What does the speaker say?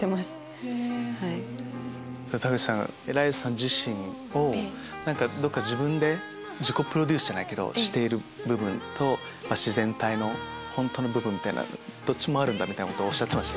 田口さんがエライザさん自身をどっか自己プロデュースしている部分と自然体の本当の部分どっちもあるみたいなことをおっしゃってた。